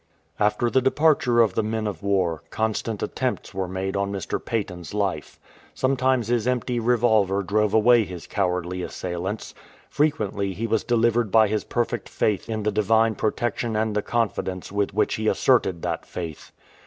After the departure of the men of war, constant attempts were made on Mr. Paton's life. Sometimes his empty revolver drove away his cowardly assailants. Frequently he was delivered by his perfect faith in the Divine protection and the confidence with which he asserted that faith.